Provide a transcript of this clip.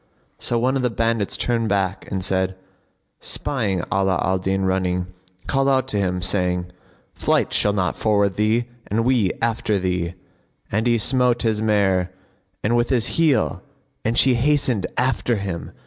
So one of the bandits turned back and, spying Ala al Din running, called out to him, saying, "Flight shall not forward thee and we after thee;" and he smote his mare with his heel and she hastened after him.